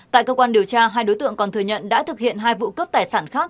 tại cơ quan điều tra hai đối tượng còn thừa nhận đã thực hiện hai vụ cướp tài sản khác